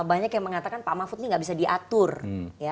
banyak yang mengatakan pak mahfud ini nggak bisa diatur